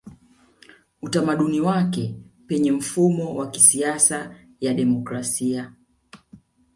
Utamaduni wake Penye mfumo wa kisiasa ya demokrasia